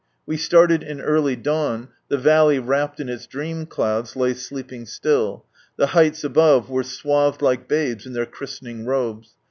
We started in early dawn ; the valley wrapped in its dream clouds lay sleeping still, the heights above were swathed like babes in their christening robes.